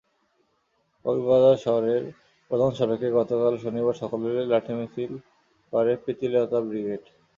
কক্সবাজার শহরের প্রধান সড়কে গতকাল শনিবার সকালে লাঠি মিছিল করে প্রীতিলতা ব্রিগেড।